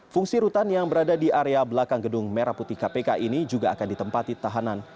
fungsi rutan yang berada di area belakang gedung merah putih kpk ini juga akan ditempati tahanan